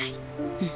うん。